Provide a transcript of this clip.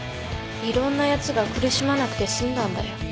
いろんなやつが苦しまなくて済んだんだよ。